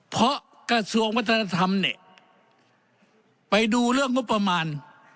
เพราะกระทรวงวัฒนธรรมเนี่ยไปดูเรื่องงบประมาณ